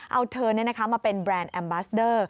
เอาเธอมาเป็นแบรนด์แอมบาสเดอร์